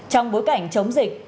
trong bối cảnh chống dịch